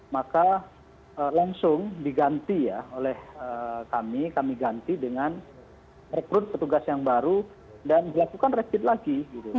maka langsung diganti ya oleh kami kami ganti dengan rekrut petugas yang baru dan dilakukan rapid lagi